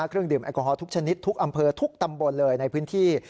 เครื่องดื่มแอลกอฮอลทุกชนิดทุกอำเภอทุกตำบลเลยในพื้นที่